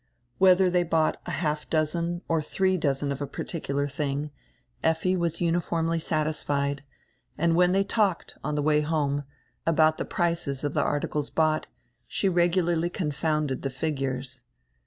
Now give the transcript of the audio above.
Whedier diey bought a half dozen or diree dozen of a particular tiling, Effi was uniformly satisfied, and when diey talked, on die way home, about die prices of die articles bought, she regularly confounded die figures.